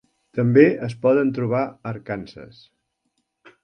També es poden trobar a Arkansas.